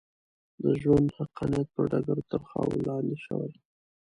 د ژوند حقانیت پر ډګر تر خاورو لاندې شوې.